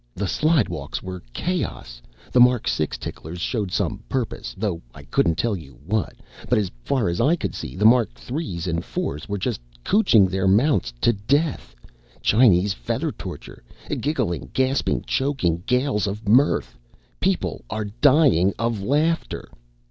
The slidewalks were chaos. The Mark 6 ticklers showed some purpose, though I couldn't tell you what, but as far as I could see the Mark 3s and 4s were just cootching their mounts to death Chinese feather torture. Giggling, gasping, choking ... gales of mirth. People are dying of laughter